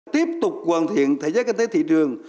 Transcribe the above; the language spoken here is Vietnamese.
tiếp tục hoàn thiện thời gian kinh tế thị trường